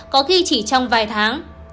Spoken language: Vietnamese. có khi chỉ trong vài tháng